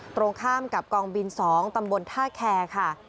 ตรงข้ามกับกองบิน๒ตำบลท่าแคร์ค่ะ